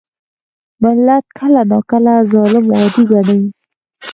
ملت کله ناکله ظالم عادي ګڼي.